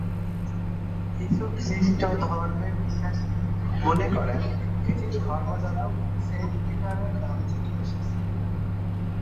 কিছু খ্রিস্ট ধর্মে বিশ্বাসী মনে করেন এটি ধর্মযাজক সেইন্ট পিটারের নাম থেকে এসেছে।